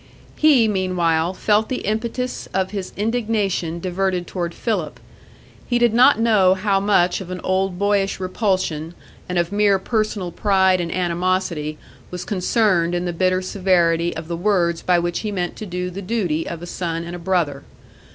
He, meanwhile, felt the impetus of his indignation diverted toward Philip. He did not know how much of an old boyish repulsion and of mere personal pride and animosity was concerned in the bitter severity of the words by which he meant to do the duty of a son and a brother.